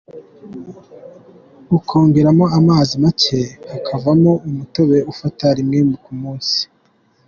Ukongeramo amazi make hakavamo umutobe ufata rimwe ku munsi.